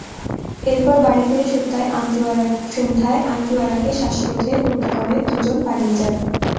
এরপর বাড়ি ফিরে সন্ধ্যায় আনজুয়ারাকে শ্বাসরোধে হত্যা করে দুজন পালিয়ে যান।